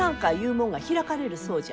もんが開かれるそうじゃ。